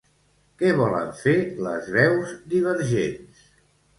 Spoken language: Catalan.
Què volen fer les veus divergents?